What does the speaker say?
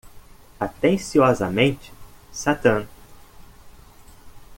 Atenciosamente,? satan.